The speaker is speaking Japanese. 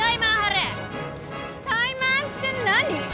タイマンって何？